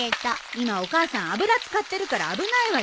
今お母さん油使ってるから危ないわよ。